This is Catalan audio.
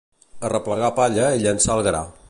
Arreplegar palla i llençar el gra.